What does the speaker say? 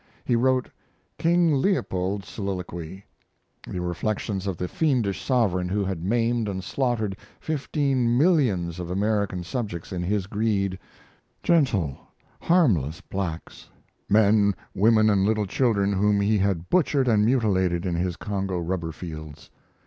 He wrote "King Leopold's Soliloquy," the reflections of the fiendish sovereign who had maimed and slaughtered fifteen millions of African subjects in his greed gentle, harmless blacks men, women, and little children whom he had butchered and mutilated in his Congo rubber fields.